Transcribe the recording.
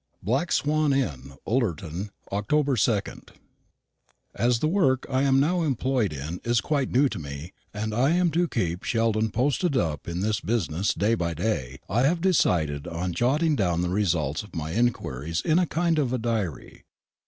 Black Swan Inn, Ullerton, October 2nd. As the work I am now employed in is quite new to me, and I am to keep Sheldon posted up in this business day by day, I have decided on jotting down the results of my inquiries in a kind of diary.